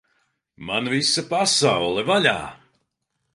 Man visa pasaule vaļā!